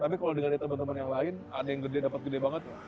tapi kalau dengar dari teman teman yang lain ada yang gede dapat gede banget